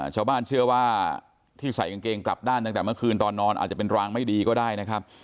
ชาวบ้านเชื่อว่าที่ใส่กางเกงกลับด้านตั้งแต่เมื่อคืนตอนนอนอาจจะเป็นรางไม่ดีก็ได้นะครับ